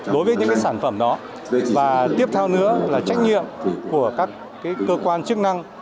đối với những sản phẩm đó và tiếp theo nữa là trách nhiệm của các cơ quan chức năng